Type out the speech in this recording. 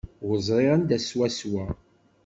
Ur ẓriɣ anda swaswa.